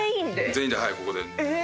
全員ではいここで。